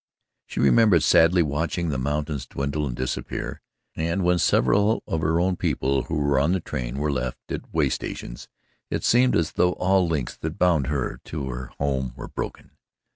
She remembered sadly watching the mountains dwindle and disappear, and when several of her own people who were on the train were left at way stations, it seemed as though all links that bound her to her home were broken.